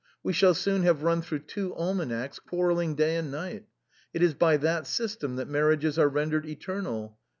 We shall soon have run through two almanacs quarreling day and night. It is by that system that marriages are rendered eternal.